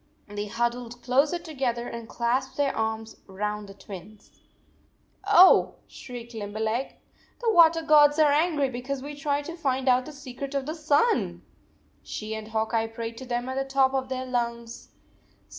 They huddled closer together and clasped their arms around the Twins. "Oh," shrieked Limberleg, "the water gods are angry because we tried to find out the secret of the sun! " She and Hawk Eye prayed to them at the top of their lungs.